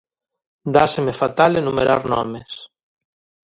Dáseme fatal enumerar nomes.